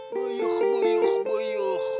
buyuh buyuh buyuh